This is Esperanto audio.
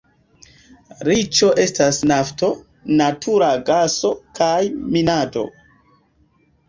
Riĉo estas nafto, natura gaso kaj minado.